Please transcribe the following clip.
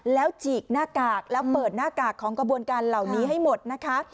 แล้วฉีกหน้ากากแล้วเปิดหน้ากากของกระบวนการเหล่านี้ให้หมดนะคะ